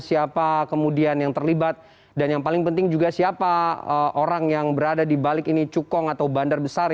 siapa kemudian yang terlibat dan yang paling penting juga siapa orang yang berada di balik ini cukong atau bandar besar